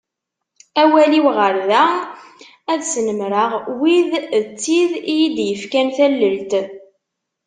Awal-iw ɣer da, ad snemmreɣ wid d tid i yi-d-yefkan tallelt.